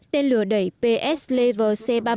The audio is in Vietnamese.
tên lửa đẩy ps lever c ba mươi bảy